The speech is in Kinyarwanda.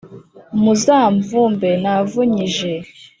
muzamvumbe navunyije